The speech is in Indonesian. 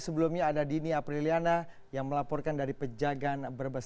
sebelumnya ada dini apriliana yang melaporkan dari pejagan brebes